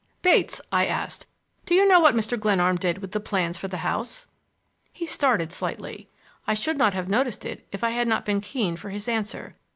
"Bates," I asked, "do you know what Mr. Glenarm did with the plans for the house?" He started slightly. I should not have noticed it if I had not been keen for his answer.